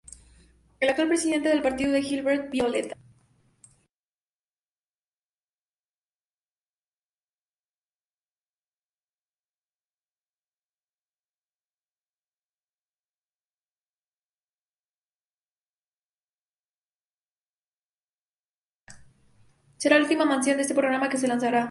Será la última misión de este programa que se lanzará.